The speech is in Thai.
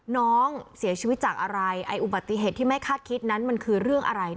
น้องเสียชีวิตจากอะไรไอ้อุบัติเหตุที่ไม่คาดคิดนั้นมันคือเรื่องอะไร